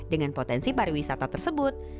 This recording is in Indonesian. dengan potensi pariwisata tersebut